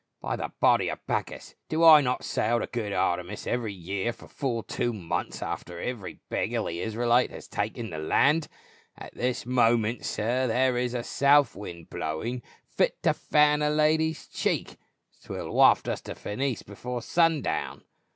By the body of Bac chus, do I not sail the good Artemis every year for full two months after every beggarly Israelite has taken to the land ?* At this moment, sir, there is a south wind blowing fit to fan a lady's cheek ; 'twill waft us to Phenice before sundown."